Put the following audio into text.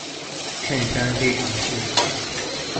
襯衫非常適合